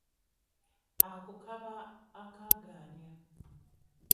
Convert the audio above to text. Ako kaba akaagaanya.